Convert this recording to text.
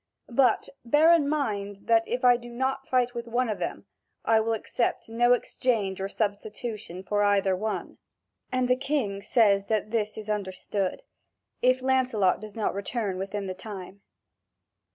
But bear in mind that, if I do not fight with one of them, I will accept no exchange or substitution for either one." And the King says that this is understood, if Lancelot does not return within the time.